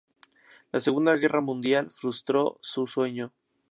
La Segunda Guerra Mundial frustró su sueño.